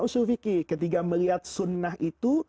usul fikih ketika melihat sunnah itu